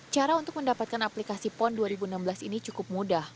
cara untuk mendapatkan aplikasi pon dua ribu enam belas ini cukup mudah